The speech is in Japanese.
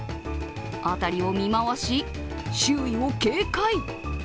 辺りを見回し、周囲を警戒。